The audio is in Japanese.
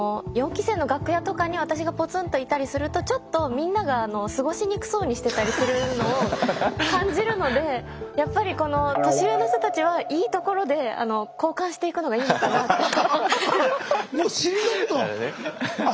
４期生の楽屋とかに私がポツンといたりするとちょっとみんなが過ごしにくそうにしてたりするのを感じるのでやっぱりこの年上の人たちはいいところで交換していくのがいいのかなって。